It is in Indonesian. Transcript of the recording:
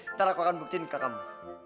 ntar aku akan buktiin ke kamu